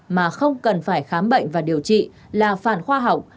mà không cần phải khám bệnh và điều trị là phản khoa học